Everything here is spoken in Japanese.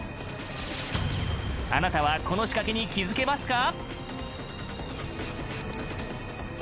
あなたはこの仕掛けに気付けますか？